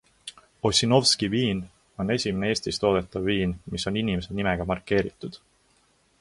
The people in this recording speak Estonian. Ossinovsky viin on esimene Eestis toodetav viin, mis on inimese nimega markeeritud.